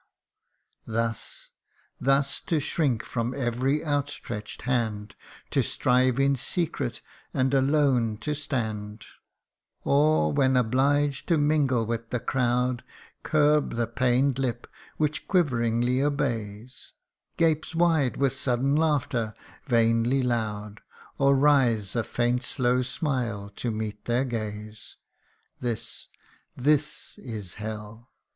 Thus thus to shrink from every outstretch'd hand, To strive in secret, and alone to stand ; Or, when obliged to mingle with the crowd, Curb the pain'd lip which quiveringly obeys Gapes wide with sudden laughter, vainly loud, Or writhes a faint slow smile to meet their gaze This this is hell